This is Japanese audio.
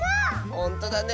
ほんとだね！